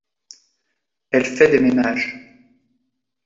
Elle fait des ménages.